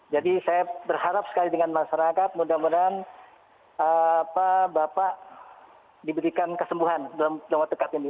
jadi saya berharap sekali dengan masyarakat mudah mudahan bapak diberikan kesembuhan dalam waktu dekat ini